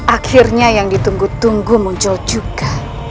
akhirnya yang ditunggu tunggu muncul juga